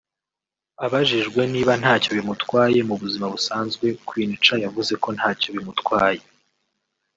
Abajijwe niba ntacyo bimutwaye mu buzima busanzwe Queen Cha yavuze ko ntacyo bimutwaye